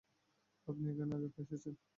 আপনি এখানে আগে এসেছেন।